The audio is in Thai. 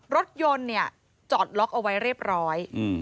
รถยนต์เนี่ยจอดล็อกเอาไว้เรียบร้อย